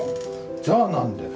「じゃあなんで？」